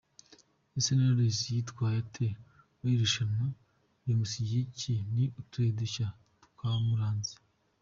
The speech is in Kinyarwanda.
Ese Knowless yitwaye ate muri iri rushanwa? Rimusigiye iki? Ni utuhe dushya twamuranze?.